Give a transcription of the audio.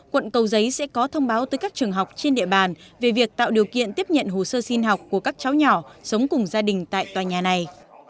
quận cầu giấy sẽ có thông báo tới các trường học trên địa bàn về việc tạo điều kiện tiếp nhận hồ sơ xin học của các cháu nhỏ sống cùng gia đình tại tòa nhà này